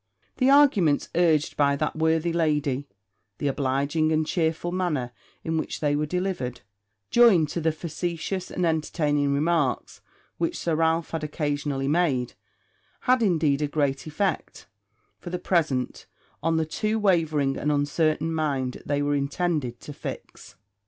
The arguments urged by that worthy lady, the obliging and chearful manner in which they were delivered, joined to the facetious and entertaining remarks which Sir Ralph had occasionally made, had indeed a great effect, for the present, on the too wavering and uncertain mind they were intended to fix.